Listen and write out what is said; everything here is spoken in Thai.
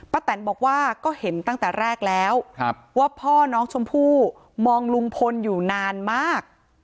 แตนบอกว่าก็เห็นตั้งแต่แรกแล้วว่าพ่อน้องชมพู่มองลุงพลอยู่นานมาก